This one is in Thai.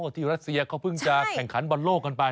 รัสเซียเขาเพิ่งจะแข่งขันบอลโลกกันไป